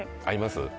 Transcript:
合います？